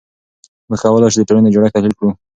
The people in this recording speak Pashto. موږ کولای شو د ټولنې جوړښت تحلیل کړو.